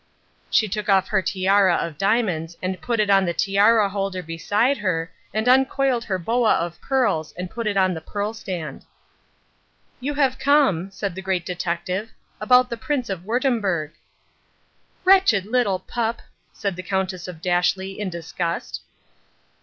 She took off her tiara of diamonds and put it on the tiara holder beside her and uncoiled her boa of pearls and put it on the pearl stand. "You have come," said the Great Detective, "about the Prince of Wurttemberg." "Wretched little pup!" said the Countess of Dashleigh in disgust.